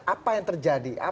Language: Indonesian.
apa yang terjadi